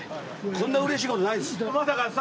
こんなうれしいことないです。